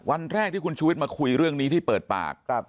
วันแรกที่คุณชูวิทย์มาคุยเรื่องนี้ที่เปิดปาก